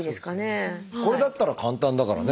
これだったら簡単だからね。